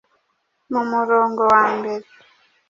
Mu murongo wa mbere,